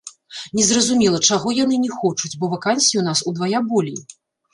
Незразумела, чаго яны не хочуць, бо вакансій у нас удвая болей.